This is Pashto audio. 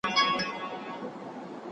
تخنیکي وسایل باید ارزانه سي.